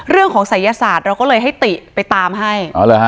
เรื่องของศัยยศาสตร์เราก็เลยให้ติไปตามให้